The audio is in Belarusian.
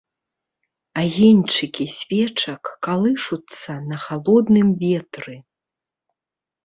Агеньчыкі свечак калышуцца на халодным ветры.